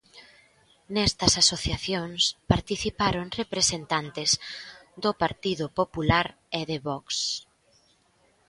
Nestas asociacións participaron representantes do Partido Popular e de Vox.